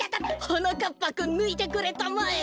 はなかっぱくんぬいてくれたまえ。